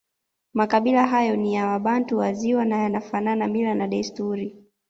Makabila hayo ni ya Wabantu wa Ziwa na yanafanana mila na desturi